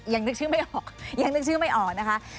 ยังนึกชื่อไม่ออกยังนึกชื่อไม่ออกนะคะ